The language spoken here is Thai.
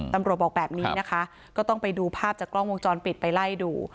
บอกแบบนี้นะคะก็ต้องไปดูภาพจากกล้องวงจรปิดไปไล่ดู